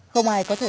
không ai có thể